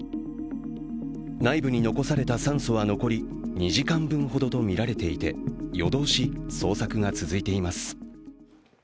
内部に残された酸素は残り２時間分ほどとみられていて夜通し捜索が続いています。